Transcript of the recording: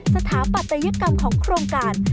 สถาปัตยกรรมของโครงการ